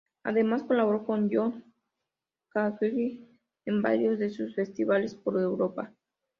Además, colaboró con John Cage en varios de sus festivales por Europa.